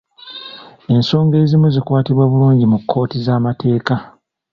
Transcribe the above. Ensonga ezimu zikwatibwa bulungi mu kkooti z'amateeka.